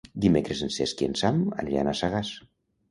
Dimecres en Cesc i en Sam aniran a Sagàs.